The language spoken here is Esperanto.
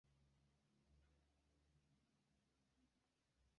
Ŝia kampanjo por ties protekto grave helpis savi la speciojn el la formorto.